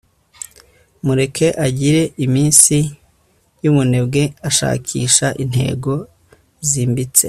mureke agire iminsi yubunebwe ashakisha intego zimbitse